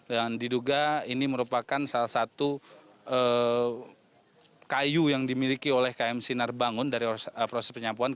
yang diduga ini merupakan salah satu kayu yang dimiliki oleh km sinar bangun dari proses penyapuan